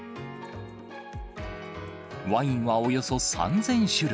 ワインはおよそ３０００種類。